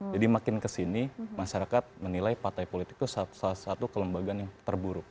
jadi makin kesini masyarakat menilai partai politik itu salah satu kelembagaan yang terburuk